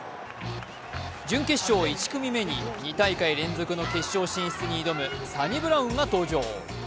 準決勝１組目に２大会連続の決勝進出に挑むサニブラウンが登場。